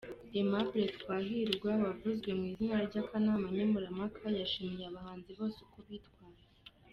Aimable Twahirwa wavuzwe mu izina ry’akanama Nkemurampaka yashimye abahanzi bose uko bitwaye.